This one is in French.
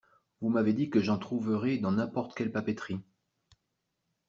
Vous m’avez dit que j’en trouverai dans n’importe quelle papeterie.